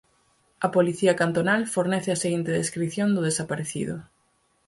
A Policía Cantonal fornece a seguinte descrición do desaparecido: